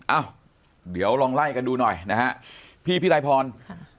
เอ้าเดี๋ยวลองไล่กันดูหน่อยนะฮะพี่พี่รายพรค่ะ